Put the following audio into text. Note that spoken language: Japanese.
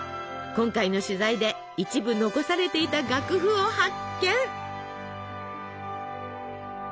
今回の取材で一部残されていた楽譜を発見！